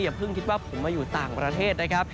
เพิ่งคิดว่าผมมาอยู่ต่างประเทศนะครับ